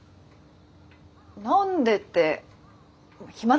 何でって暇だし。